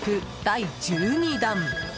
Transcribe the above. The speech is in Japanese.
第１２弾。